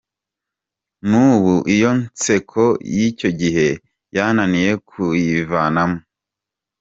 N’ubu iyo nseko y’icyo gihe yananiye kuyivanamo.